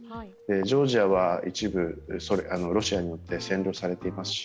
ジョージアは一部ロシアによって占領されていますし